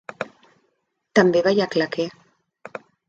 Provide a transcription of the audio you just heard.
També balla claqué.